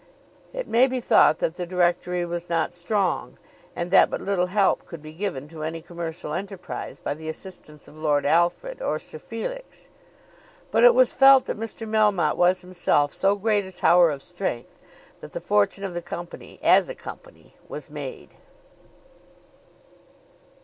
It may be thought that the directory was not strong, and that but little help could be given to any commercial enterprise by the assistance of Lord Alfred or Sir Felix; but it was felt that Mr. Melmotte was himself so great a tower of strength that the fortune of the company, as a company, was made.